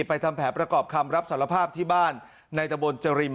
ทำแผนประกอบคำรับสารภาพที่บ้านในตะบนเจริม